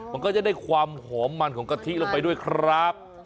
มันก็จะได้ความหอมมันของกะทิลงไปด้วยครับ